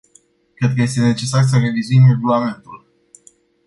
Cred că este necesar să revizuim regulamentul.